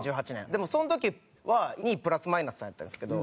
でもその時は２位プラス・マイナスさんやったんですけど。